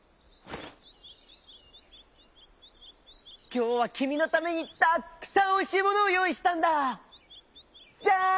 「きょうはきみのためにたっくさんおいしいものをよういしたんだ！じゃん！」。